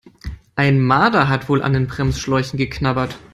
Ein Marder hat wohl an den Bremsschläuchen geknabbert.